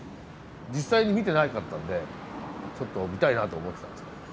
実際に見てなかったんでちょっと見たいなって思ってたんですけど。